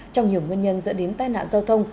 trong nhiều nguyên nhân dẫn đến tai nạn giao thông